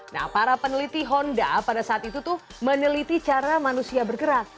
nah para peneliti honda pada saat itu tuh meneliti cara manusia bergerak